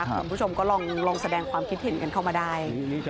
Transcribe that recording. คุณผู้ชมก็ลองแสดงความคิดเห็นกันเข้ามาได้